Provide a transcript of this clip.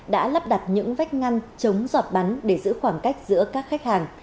đã lắp đặt những vách ngăn trống giọt bắn để giữ khoảng cách giữa các khách hàng